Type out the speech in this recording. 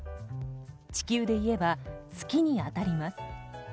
地球でいえば月に当たります。